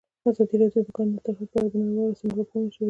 ازادي راډیو د د کانونو استخراج په اړه د نړیوالو رسنیو راپورونه شریک کړي.